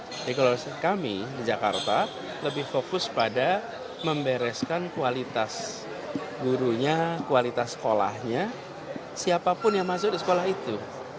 jadi kalau kami di jakarta lebih fokus pada membereskan kualitas gurunya kualitas sekolahnya siapapun yang masuk di sekolah itu